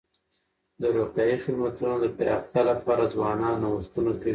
د روغتیايي خدمتونو د پراختیا لپاره ځوانان نوښتونه کوي.